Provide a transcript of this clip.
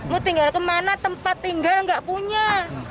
mau tinggal kemana tempat tinggal gak punya